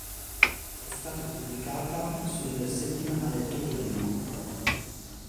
È stata pubblicata sul settimanale Topolino.